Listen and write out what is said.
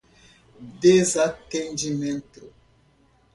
desatendimento